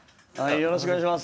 よろしくお願いします。